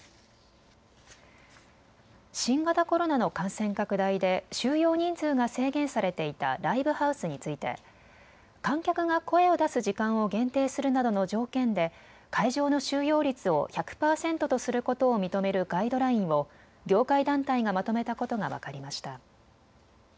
新型コロナの感染拡大で収容人数が制限されていたライブハウスについて観客が声を出す時間を限定するなどの条件で会場の収容率を１００％とすることを認めるガイドラインを業界団体がまとめたことが分かりました。